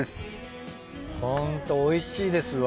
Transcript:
ホントおいしいですわ。